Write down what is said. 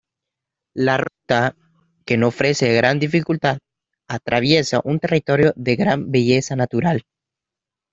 La ruta, que no ofrece gran dificultad, atraviesa un territorio de gran belleza natural.